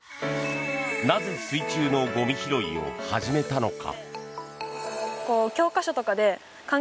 なぜ、水中のゴミ拾いを始めたのか。